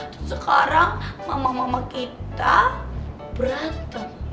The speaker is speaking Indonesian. dan sekarang mamah mamah kita berantem